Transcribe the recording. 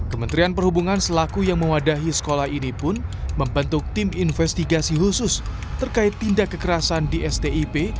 kementerian perhubungan selaku yang mewadahi sekolah ini pun membentuk tim investigasi khusus terkait tindak kekerasan di stip